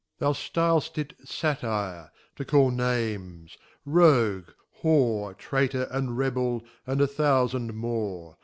Thou ftil'ft it Satyr, to call Names, Rogue, Whore, Traytor, and Rebel, and a thoufand more.